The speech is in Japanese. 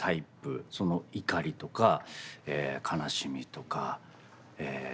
その怒りとか悲しみとかえ